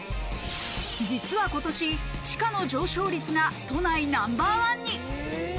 実は今年、地価の上昇率が都内ナンバーワンに。